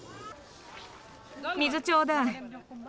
水ちょうだい。